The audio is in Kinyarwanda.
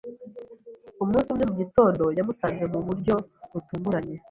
Umunsi umwe mu gitondo, yamusanze mu buryo butunguranye.